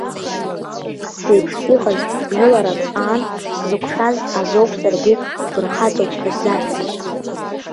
Убас еиԥш иҟаз жәыларак аан сзықәшәаз азоуп саргьы уфырхаҵоуп ҳәа зсарҳәаз.